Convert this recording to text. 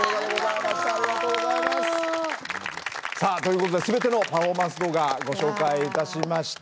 さあということで全てのパフォーマンス動画ご紹介いたしました。